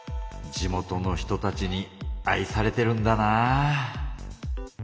地元の人たちに愛されてるんだなぁ。